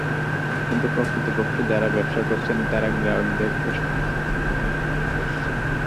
কিন্তু প্রকৃতপক্ষে যারা ব্যবসা করছেন তাঁরা গ্রাহকদের এসব স্বার্থ মেনেই করছেন।